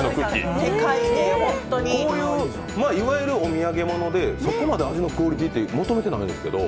いわゆるお土産もので味のクオリティーって求めてないですけど。